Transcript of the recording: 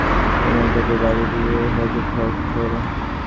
কোমর বেঁধে বাড়ী বাড়ী গিয়ে হুজ্জুক কর।